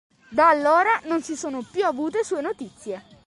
Da allora non si sono più avute sue notizie.